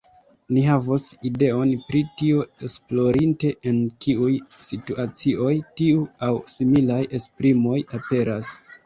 Ni havos ideon pri tio, esplorinte en kiuj situacioj tiu aŭ similaj esprimoj aperas.